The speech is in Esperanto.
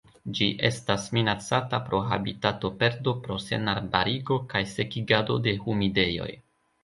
Ĝi estas minacata pro habitatoperdo pro senarbarigo kaj sekigado de humidejoj.